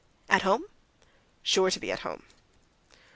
"At home?" "Sure to be at home."